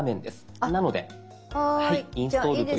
なので「インストール」という。